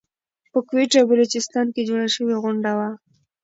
په کويټه بلوچستان کې جوړه شوى غونډه وه .